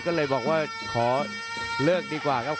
ก็เลยบอกว่าขอเลิกดีกว่าครับ